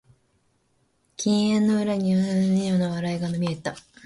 金縁の裏には嘲るような笑いが見えた